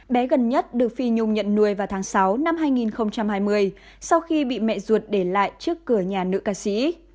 bé gần nhất được phi nhung nhận nuôi vào tháng sáu năm hai nghìn hai mươi sau khi bị mẹ ruột để lại trước cửa nhà nữ ca sĩ